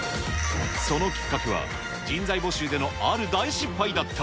そのきっかけは、人材募集でのある大失敗だった。